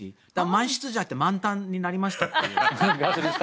満室じゃなくて満タンになりましたよね。